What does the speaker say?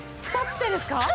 ２つでですか？